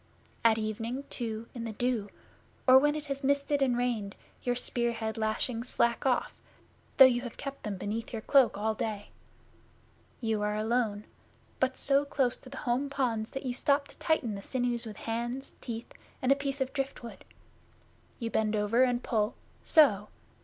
At evening, too, in the dew, or when it has misted and rained, your spear head lashings slack off, though you have kept them beneath your cloak all day. You are alone but so close to the home ponds that you stop to tighten the sinews with hands, teeth, and a piece of driftwood. You bend over and pull so!